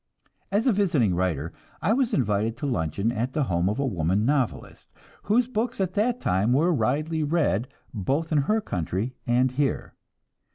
As a visiting writer, I was invited to luncheon at the home of a woman novelist, whose books at that time were widely read both in her country and here.